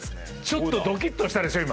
ちょっとドキッとしたでしょ？